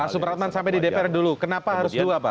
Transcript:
pak supratman sampai di dpr dulu kenapa harus dua pak